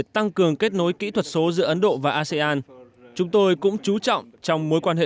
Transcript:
tăng cường kết nối kỹ thuật số giữa ấn độ và asean chúng tôi cũng chú trọng trong mối quan hệ